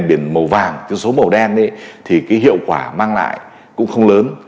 thế cho nên là nếu mà chúng ta mở rộng thêm cái xe mà nền biển màu vàng chữ số màu đen thì cái hiệu quả mang lại cũng không lớn